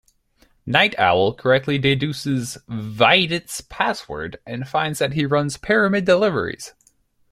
Nite Owl correctly deduces Veidt's password and finds that he runs Pyramid Deliveries.